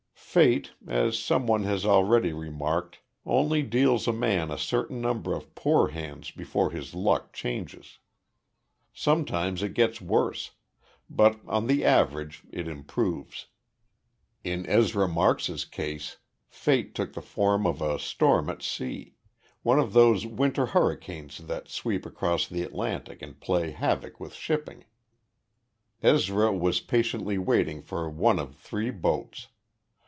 Fate, as some one has already remarked, only deals a man a certain number of poor hands before his luck changes. Sometimes it gets worse, but, on the average, it improves. In Ezra Marks's case Fate took the form of a storm at sea, one of those winter hurricanes that sweep across the Atlantic and play havoc with shipping. Ezra was patiently waiting for one of three boats.